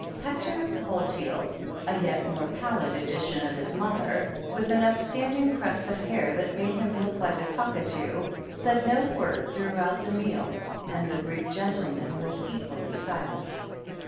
Hector Bulteel, a yet more pallid edition of his mother, with an upstanding crest of hair that made him look like a cockatoo, said no word throughout the meal, and the Greek gentleman was equally silent.